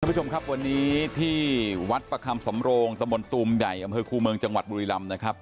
ผู้ชมครับวันนี้ที่วัดประคำสำโรงตะบนตูมใหญ่อำเภอคูเมืองจังหวัดบุรีรำนะครับ